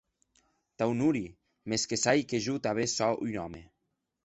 T'aunori, mès que sai que jo tanben sò un òme.